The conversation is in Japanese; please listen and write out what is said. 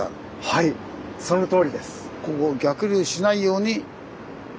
はいそのとおりです。